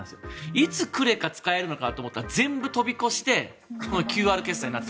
いつクレカ使えるのかと思ったら全部飛び越してＱＲ決済になった。